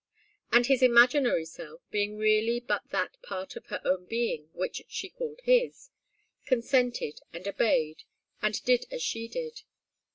And his imaginary self, being really but that part of her own being which she called his, consented and obeyed, and did as she did.